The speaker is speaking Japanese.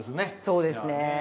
そうですね。